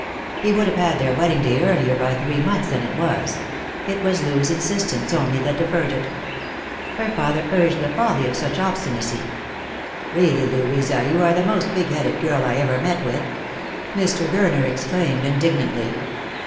He would have had their wedding day earlier by three months than it was; it was Loo's insistance only that deferred it. Her father urged the folly of such obstinacy. " Eeally, Louisa, you are the most pigheaded girl I ever met with," Mr. Gurner exclaimed indignantly.